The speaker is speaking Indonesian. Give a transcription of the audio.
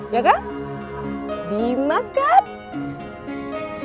iya kan dimas kan